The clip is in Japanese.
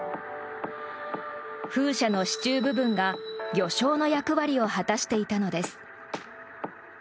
風車の支柱部分が魚礁の役割を果たしていたのです。